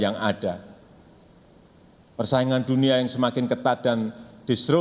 lalu ada oudhan yang digunakan dan biayanya untuk melakukan sesuatu yang harganya sama